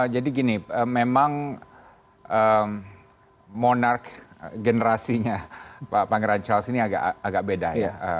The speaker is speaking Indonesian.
jadi gini memang monarch generasinya pak pangeran charles ini agak agak beda ya